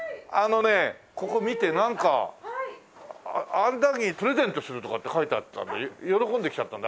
アンダギープレゼントするとかって書いてあったんで喜んで来ちゃったんだ。